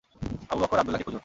আবু বকর আব্দুল্লাহকে খুঁজো।